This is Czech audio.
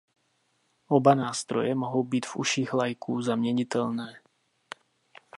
Oba nástroje mohou být v uších laiků zaměnitelné.